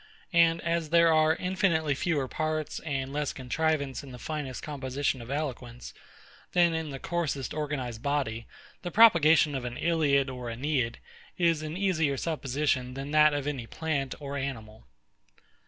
And as there are infinitely fewer parts and less contrivance in the finest composition of eloquence, than in the coarsest organised body, the propagation of an Iliad or Aeneid is an easier supposition than that of any plant or animal.